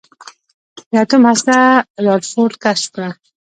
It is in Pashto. د اتوم هسته رادرفورډ کشف کړه.